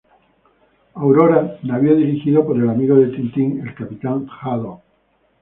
Aurora", navío dirigido por el amigo de Tintin, el capitán Haddock.